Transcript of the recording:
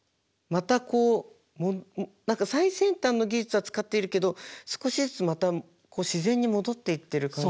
何か最先端の技術は使っているけど少しずつまたこう自然に戻っていっている感じが。